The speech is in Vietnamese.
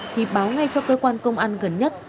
thì báo ngay cho cơ quan công an gần nhất